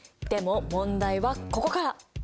でも問題はここから。